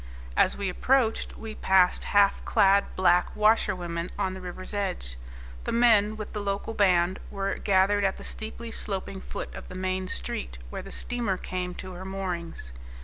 As we approached we passed half clad black washerwomen on the river's edge. The men, with the local band, were gathered at the steeply sloping foot of the main street, where the steamer came to her moorings.